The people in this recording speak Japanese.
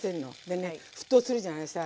でね沸騰するじゃないさ。